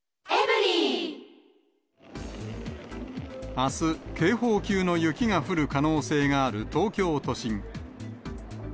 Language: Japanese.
あす、警報級の雪が降る可能性がある東京都心。